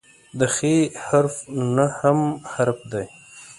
د "خ" حرف نهم حرف دی.